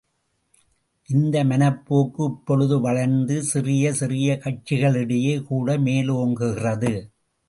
இந்த மனப்போக்கு இப்பொழுது வளர்ந்து, சிறிய, சிறிய கட்சிகளிடையே கூட மேலோங்குகிறது.